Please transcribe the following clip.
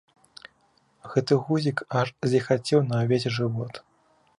Гэты гузік аж зіхацеў на ўвесь жывот.